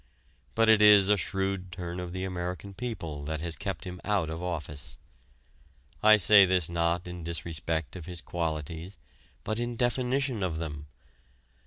But it is a shrewd turn of the American people that has kept him out of office. I say this not in disrespect of his qualities, but in definition of them.